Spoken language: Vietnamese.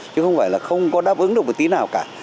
chứ không phải là không có đáp ứng được một tí nào cả